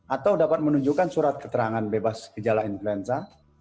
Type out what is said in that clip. atau dapat menunjukkan surat keterangan bebas gejala influenza